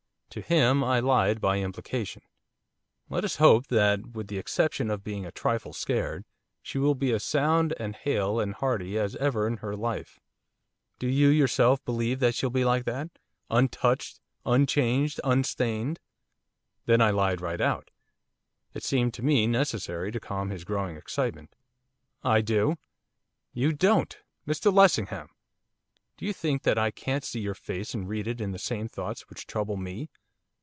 To him I lied by implication. 'Let us hope that, with the exception of being a trifle scared, she will be as sound and hale and hearty as ever in her life.' 'Do you yourself believe that she'll be like that, untouched, unchanged, unstained?' Then I lied right out, it seemed to me necessary to calm his growing excitement. 'I do.' 'You don't!' 'Mr Lessingham!' 'Do you think that I can't see your face and read in it the same thoughts which trouble me?